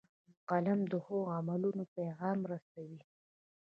قلم د ښو عملونو پیغام رسوي